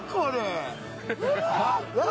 何！？